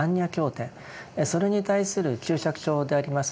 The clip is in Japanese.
それに対する注釈書であります